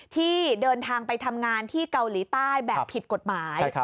ที่เดินทางไปทำงานที่เกาหลีใต้แบบผิดกฎหมาย